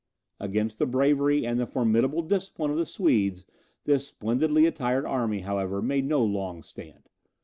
Against the bravery, and the formidable discipline of the Swedes this splendidly attired army, however, made no long stand.